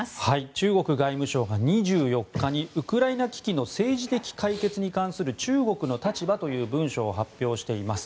中国外務省が２４日に「ウクライナ危機の政治的解決に関する中国の立場」という文書を発表しています。